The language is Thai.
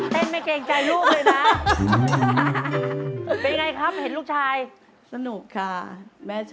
เต้นไม่เกรงใจลูกเลยนะ